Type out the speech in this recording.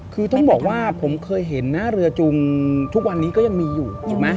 คือต้องบอกว่าผมเคยเห็นนะเรือจุงทุกวันนี้ก็ยังมีอยู่เห็นไหม